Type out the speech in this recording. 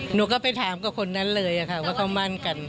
หนูก็ไปถามกับคนนั้นเลยค่ะว่าเขามั่นกัน